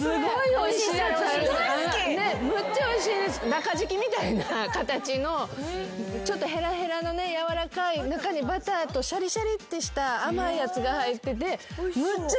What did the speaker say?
中敷きみたいな形のちょっとへらへらのねやわらかい中にバターとしゃりしゃりってした甘いやつが入ってて。